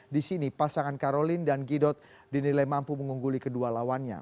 di sini pasangan karolin dan gidot dinilai mampu mengungguli kedua lawannya